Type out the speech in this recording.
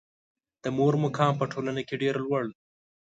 د مور مقام په ټولنه کې ډېر لوړ ده.